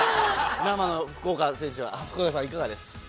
生の福岡選手は、いかがですか。